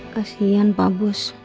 kasian pak bos